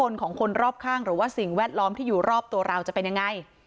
หรือว่าสิ่งแวดล้อมที่อยู่รอบตัวเราจะเป็นยังไง